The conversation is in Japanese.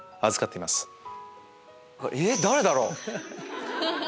えっ⁉誰だろう？